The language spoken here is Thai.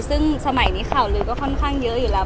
ซึ่งสมัยนี้ข่าวลือก็ค่อนข้างเยอะอยู่แล้ว